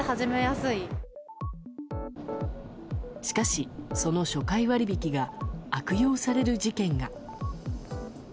しかし、その初回割引が悪用される事件が。